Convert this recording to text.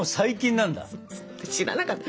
知らなかった。